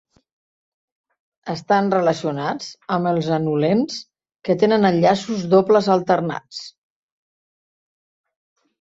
Estan relacionats amb els anulens que tenen enllaços dobles alternats.